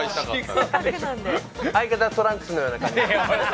相方はトランクスのような髪形。